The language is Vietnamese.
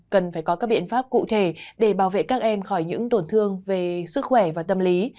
cần phải có các biện pháp cụ thể để bảo vệ các em khỏi những tổn thương về sức khỏe và tâm lý